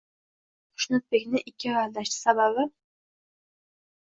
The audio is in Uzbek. Xushnudbekni ikki oy aldashdi, sababi...